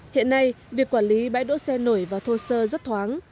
hiện nay việc quản lý bãi đỗ xe nổi và thô sơ rất thoáng